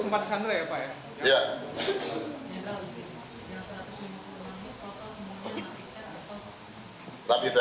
sempat sandra ya pak ya